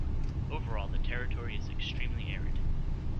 Overall, the territory is extremely arid.